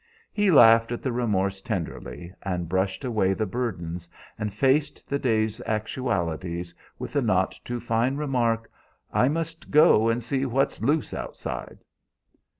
He laughed at the remorse tenderly, and brushed away the burdens, and faced the day's actualities with the not too fine remark, "I must go and see what's loose outside."